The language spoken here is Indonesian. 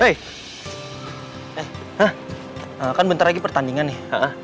eh kan bentar lagi pertandingan nih